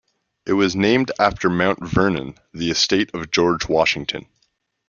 It was named after Mount Vernon, the estate of George Washington.